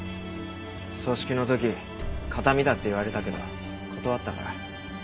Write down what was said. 葬式の時形見だって言われたけど断ったから。